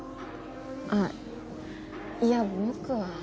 あっいや僕は。